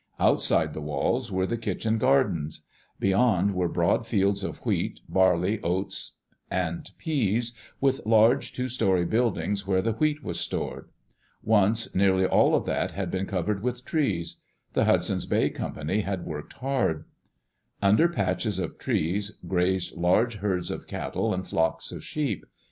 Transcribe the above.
Outside the walls were die kitchen gardens. Beyond were broad Iftelds of wheat, bar [X06] Digitized by VjOOQ LC FORT VANCOUVER AND JOHN McLOUGHLIN ley, oats, and pease, with large, two story buildings where the wheat was stored. Once nearly all of that had been covered with trees* The Hudson's Bay Company had worked hard. Under patches of trees grazed large herds of cattle and flocks of sheep.